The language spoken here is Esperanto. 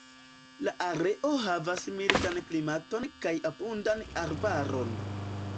La areo havas mildan klimaton kaj abundan arbaron.